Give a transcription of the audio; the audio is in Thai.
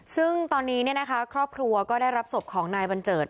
ซึ่งตอนนี้ครอบครัวก็ได้รับศพของนายบัญเจิด